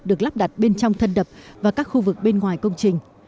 được lắp đặt bên trong thân đập và các khu vực bên ngoài công trình